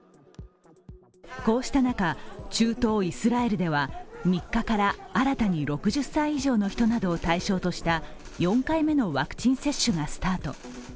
こうした中、中東イスラエルでは３日から新たに６０歳以上の人などを対象とした４回目のワクチン接種がスタート。